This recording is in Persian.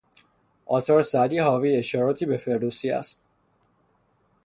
آثار سعدی حاوی اشاراتی به فردوسی است.